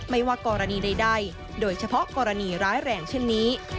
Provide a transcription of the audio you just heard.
ไม่ว่ากรณีใดโดยเฉพาะกรณีร้ายแรงเช่นนี้